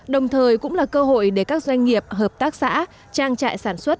đồng thời cũng là cơ hội để các doanh nghiệp hợp tác xã trang trại sản xuất